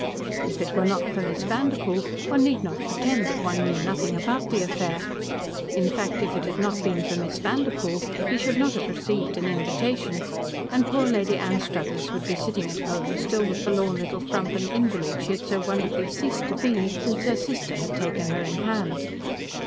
If it were not for Miss Vanderpoel, one need not pretend that one knew nothing about the affair in fact, if it had not been for Miss Vanderpoel, he would not have received an invitation and poor Lady Anstruthers would be sitting at home, still the forlorn little frump and invalid she had so wonderfully ceased to be since her sister had taken her in hand.